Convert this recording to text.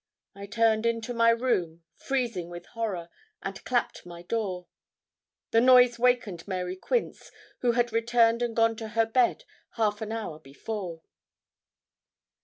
I turned into my room, freezing with horror, and clapt my door. The noise wakened Mary Quince, who had returned and gone to her bed half an hour before.